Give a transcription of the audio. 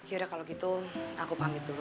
akhirnya kalau gitu aku pamit dulu